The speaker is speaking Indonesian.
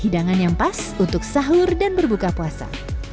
hidangan yang pas untuk sahur dan berbuka puasa